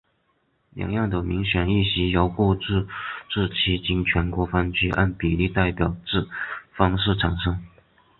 两院的民选议席由各自治区经全国分区按比例代表制方式产生。